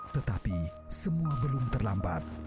tetapi semua belum terlambat